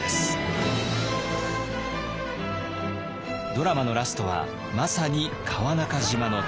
ドラマのラストはまさに川中島の戦い。